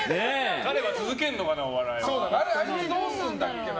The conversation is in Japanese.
彼は続けるのかな、お笑いを。